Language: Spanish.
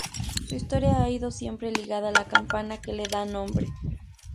Su historia ha ido siempre ligada a la campana que le da nombre.